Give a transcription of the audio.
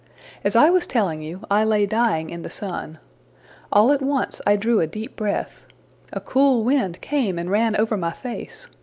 As I was telling you, I lay dying in the sun. All at once I drew a deep breath. A cool wind came and ran over my face.